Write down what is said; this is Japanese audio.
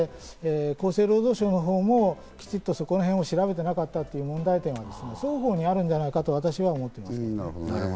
厚生労働省の方もきちんと、そこのところを調べてなかったという問題点は双方にあるんじゃなかろうかと私は思っています。